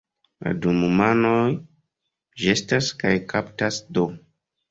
La du manoj ĵetas kaj kaptas do.